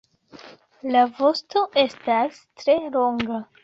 La vosto estas tre longa.